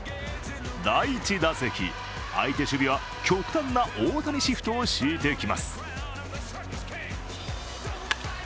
第１打席、相手守備は極端な大谷シフトを敷いてきます。